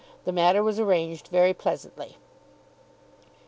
The matter was arranged very pleasantly.